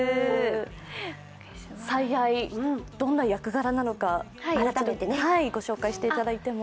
「最愛」、どんな役柄なのかご紹介していただいても？